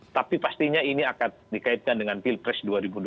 tapi pastinya ini akan dikaitkan dengan pilpres dua ribu dua puluh